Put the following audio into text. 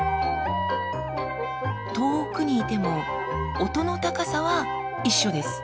遠くにいても音の高さは一緒です。